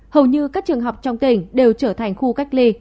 hầu như các trường học trong tỉnh đều trở thành khu cách ly